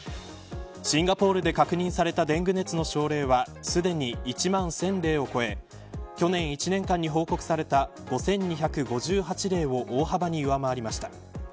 シンガポールで確認されたデング熱の症例はすでに１万１０００例を超え去年１年間に報告された５２５８例を大幅に上回りました。